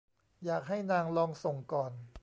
อยากให้นางลองส่งก่อน